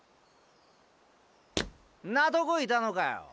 んなとこいたのかヨ。